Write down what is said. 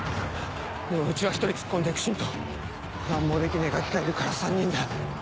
でもうちは１人突っ込んでいく信と何もできねえガキがいるから３人だ。